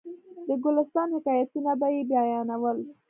د ګلستان حکایتونه به یې بیانول.